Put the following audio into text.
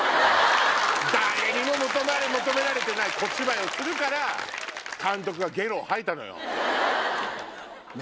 誰にも求められてない小芝居をするから監督がゲロを吐いたのよ。